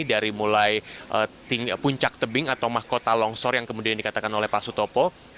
dari mulai puncak tebing atau mahkota longsor yang kemudian dikatakan oleh pak sutopo